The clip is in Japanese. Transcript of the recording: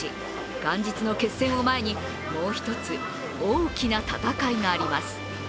元日の決戦を前にもう一つ大きな戦いがあります。